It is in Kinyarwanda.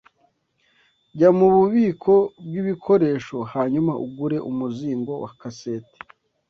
Jya mububiko bwibikoresho hanyuma ugure umuzingo wa kaseti.